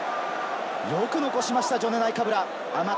よく残しました、ジョネ・ナイカブラ。